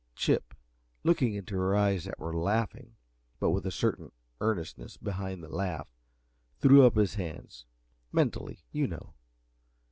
Chip, looking into her eyes that were laughing, but with a certain earnestness behind the laugh, threw up his hands mentally, you know.